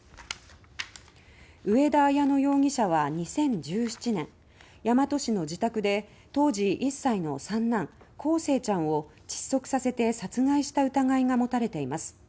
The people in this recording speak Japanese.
上田綾乃容疑者は、２０１７年大和市の自宅で当時１歳の三男・康生ちゃんを窒息させて殺害した疑いが持たれています。